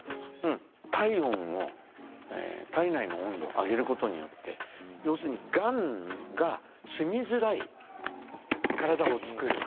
体温を体内の温度を上げることによって要するにがんがすみづらい体を作る。